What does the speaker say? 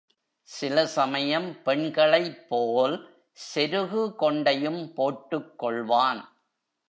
சில சமயம் பெண்களைப்போல் செருகு கொண்டையும் போட்டுக்கொள்வான்.